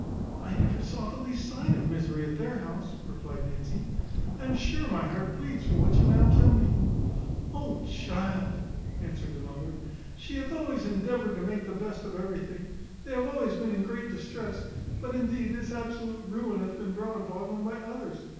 "I never saw the least sign of misery at her house," replied Nancy; "I am sure my heart bleeds for what you now tell me." "O child," answered the mother, "she hath always endeavoured to make the best of everything. They have always been in great distress; but, indeed, this absolute ruin hath been brought upon them by others.